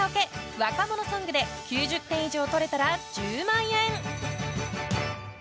若者ソングで９０点以上取れたら１０万円！